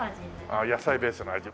ああ野菜ベースの味。